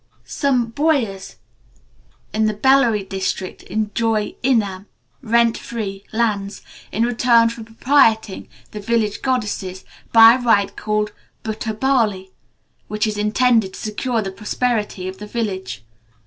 Some Boyas in the Bellary district enjoy inam (rent free) lands, in return for propitiating the village goddesses by a rite called bhuta bali, which is intended to secure the prosperity of the village.